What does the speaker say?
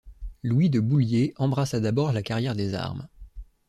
Louis de Bouliers embrassa d'abord la carrière des armes.